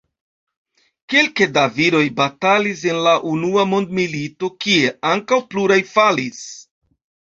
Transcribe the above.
Kelke da viroj batalis en la unua mondmilito, kie ankaŭ pluraj falis.